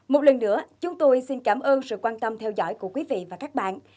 một lần nữa chúng tôi xin cảm ơn sự quan tâm theo dõi của quý vị và các bạn